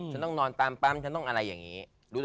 ฉันต้องนอนตามปั๊มฉันต้องอะไรอย่างนี้